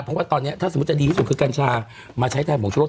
เพราะว่าตอนนี้ถ้าสมมุติจะดีที่สุดคือกัญชามาใช้แทนผงชะลด